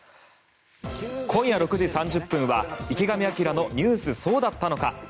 今夜６時３０分は「池上彰のニュースそうだったのか！！」。